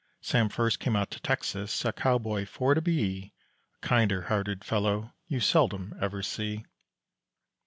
Sam first came out to Texas a cowboy for to be, A kinder hearted fellow you seldom ever see.